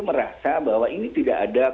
merasa bahwa ini tidak ada